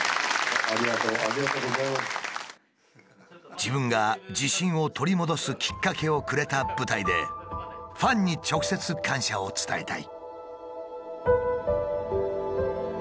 「自分が自信を取り戻すきっかけをくれた舞台でファンに直接感謝を伝えたい」。